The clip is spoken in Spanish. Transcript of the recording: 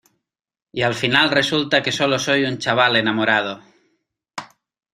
y al final resulta que solo soy un chaval enamorado.